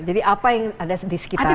jadi apa yang ada di sekitarnya